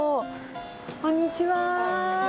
こんにちは。